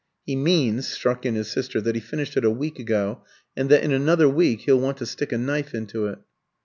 "He means," struck in his sister, "that he finished it a week ago, and that in another week he'll want to stick a knife into it."